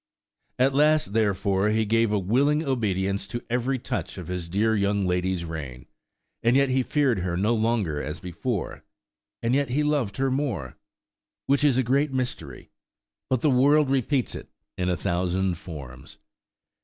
At last, therefore, he gave a willing obedience to every touch of his dear young lady's rein: and yet he feared her no longer as before; and yet he loved her more! Which is a great mystery, but the world repeats it in a thousand forms.